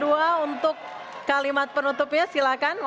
untuk kalimat penutupnya silakan